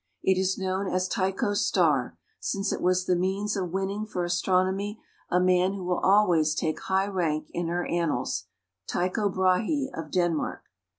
It is known as Tycho's star, since it was the means of winning for astronomy a man who will always take high rank in her annals, Tycho Brahe, of Denmark.